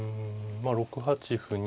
まあ６八歩に。